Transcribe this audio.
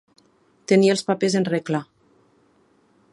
Tenir els papers en regla.